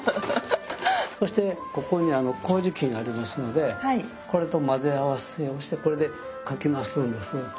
そしてここに麹菌ありますのでこれと混ぜ合わせをしてこれでかき回すんです。